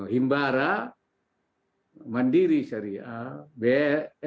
himbara mandiri syariah bri